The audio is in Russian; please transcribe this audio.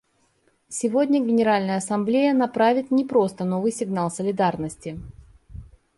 Сегодня Генеральная Ассамблея направит не просто новый сигнал солидарности.